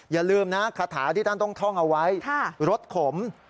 อย่าลืมนะคาถาที่ท่านต้องท่องเอาไว้รสขม